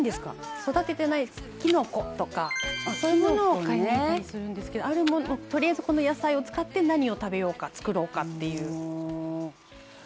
「育ててないきのことかそういうものを買いに行ったりするんですけどあるものをとりあえずこの野菜を使って何を食べようか作ろうかっていう」